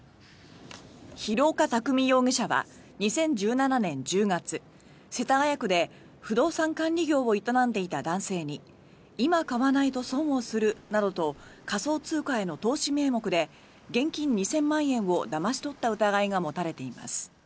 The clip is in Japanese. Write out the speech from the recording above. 廣岡工容疑者は２０１７年１０月世田谷区で不動産管理業を営んでいた男性に今買わないと損をするなどと仮想通貨への投資名目で現金２０００万円をだまし取った疑いが持たれています。